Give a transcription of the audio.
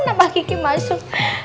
nampak kiki masuk